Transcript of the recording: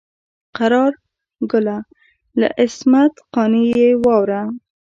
قرار ګله له عصمت قانع یې واوره.